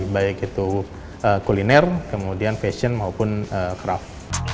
baik itu kuliner kemudian fashion maupun craft